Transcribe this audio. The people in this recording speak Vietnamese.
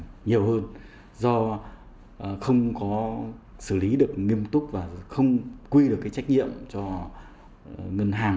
nhiều hơn do không có xử lý được nghiêm túc và không quy được cái trách nhiệm cho ngân hàng